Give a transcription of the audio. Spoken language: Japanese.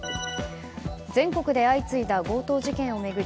全国で相次いだ強盗事件を巡り